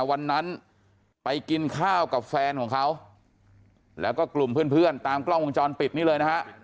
วันนั้นไปกินข้าวกับแฟนของเขาแล้วก็กลุ่มเพื่อนตามกล้องวงจรปิดนี่เลยนะฮะ